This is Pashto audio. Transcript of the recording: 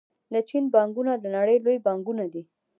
د چین بانکونه د نړۍ لوی بانکونه دي.